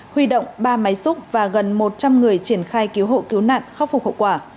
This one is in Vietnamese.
huy động ba máy xúc và gần một trăm linh người triển khai cứu hộ cứu nạn khắc phục hậu quả